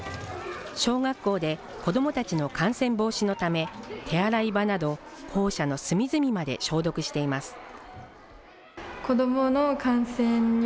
小学校で子どもたちの感染防止のため、手洗い場など、校舎の隅々まで消毒しています。